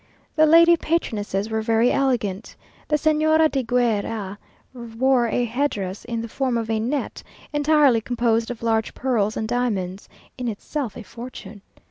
The lady patronesses were very elegant. The Señora de Guer a, wore a head dress in the form of a net, entirely composed of large pearls and diamonds; in itself a fortune.